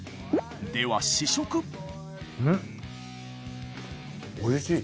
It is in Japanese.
では試食んっおいしい。